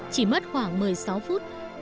chỉ mất khoảng một mươi sáu phút